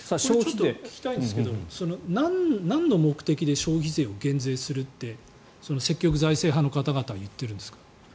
聞きたいんですけどなんの目的で消費税を減税するって積極財政派の方々は言ってるんですか？